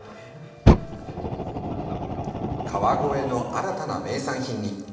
川越の新たな名産品に。